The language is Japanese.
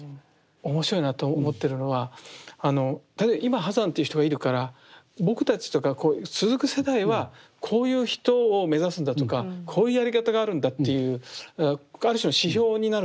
面白いなと思ってるのは今波山っていう人がいるから僕たちとかこういう続く世代はこういう人を目指すんだとかこういうやり方があるんだっていうある種の指標になるじゃないですか。